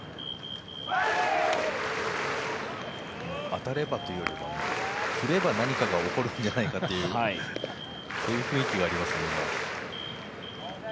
当たればというよりは振れが何かが起こるんじゃないかというそういう雰囲気がありますね。